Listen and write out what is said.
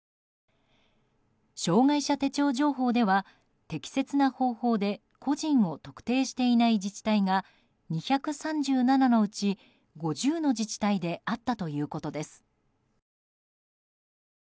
障害者手帳情報では適切な方法で個人を特定していない自治体が２３７のうち、５０の自治体であったということです。